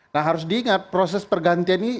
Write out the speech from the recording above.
nah harus diingat proses pergantian ini